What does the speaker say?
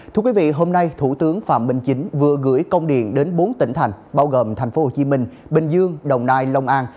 thưa quý vị hôm nay thủ tướng phạm minh chính vừa gửi công điện đến bốn tỉnh thành bao gồm tp hcm bình dương đồng nai lòng an